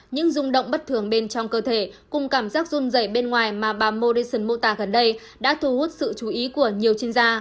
những rung động bất thường bên trong cơ thể cùng cảm giác rung dày bên ngoài mà bà morrison mô tả gần đây đã thu hút sự chú ý của nhiều chuyên gia